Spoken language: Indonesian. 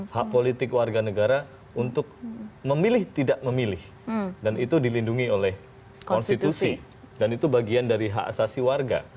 hak politik warga negara untuk memilih tidak memilih dan itu dilindungi oleh konstitusi dan itu bagian dari hak asasi warga